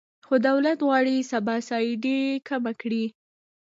خو دولت غواړي سبسایډي کمه کړي.